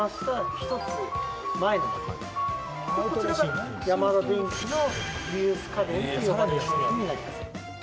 １つ前の家電、こちらがヤマダデンキのリユース家電ということになります。